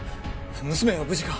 娘は無事か？